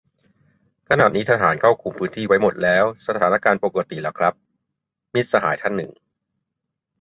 "ขณะนี้ทหารเข้าคุมพื้นที่ไว้หมดแล้ว สถานการณ์ปกติ แล้วครับ" - มิตรสหายท่านหนึ่ง